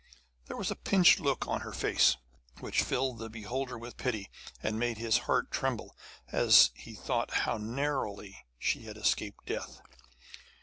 There was a pinched look on her face which filled the beholder with pity, and made his heart tremble, as he thought how narrowly she had escaped death.